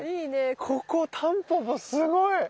ここタンポポすごい。